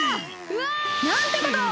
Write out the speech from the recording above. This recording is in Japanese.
うわ！なんてことを！